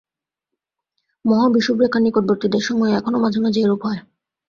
মহা-বিষুবরেখার নিকটবর্তী দেশসমূহে এখনও মাঝে মাঝে এইরূপ হয়।